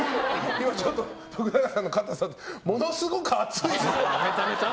今ちょっと徳永さんの肩触ったら、ものすごく熱いです。